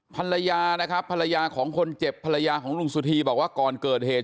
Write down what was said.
ภรรยานะครับภรรยาของคนเจ็บภรรยาของลุงสุธีบอกว่าก่อนเกิดเหตุ